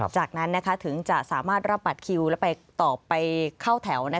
จากนั้นถึงจะสามารถรับบัตรคิวและไปต่อไปเข้าแถว